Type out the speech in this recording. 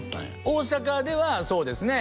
大阪ではそうですね